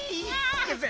いくぜ。